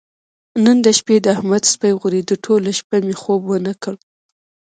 نن د شپې د احمد سپی غورېدو ټوله شپه یې مې خوب ونه کړ.